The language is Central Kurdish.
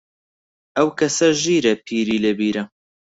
ئەو کەسە ژیرە، پیری لە بیرە